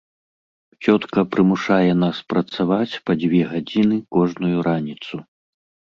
Цётка прымушае нас працаваць па дзве гадзіны кожную раніцу.